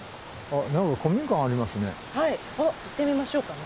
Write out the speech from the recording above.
あっ行ってみましょうか。